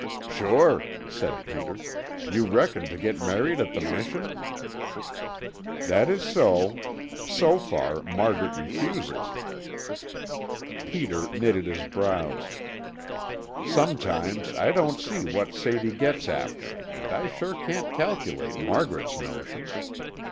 "Sure," said Peter. "You reckoned to get married at the Mission?" "That is so. So far, Margaret refuses." Peter knitted his brows. "Sometimes I don't see what Sadie gets after and I sure can't calculate Margaret's notion.